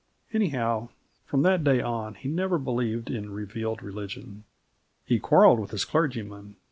Anyhow, from that day on, he never believed in revealed religion. He quarrelled with his clergyman.